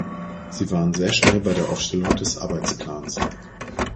Sie waren sehr schnell bei der Aufstellung des Arbeitsplans.